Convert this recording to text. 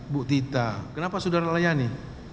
bu tita kenapa saudara layani